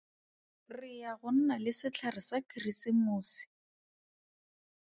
Re ya go nna le setlhare sa Keresemose.